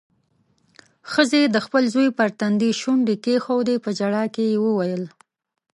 ښځې د خپل زوی پر تندي شونډې کېښودې. په ژړا کې يې وويل: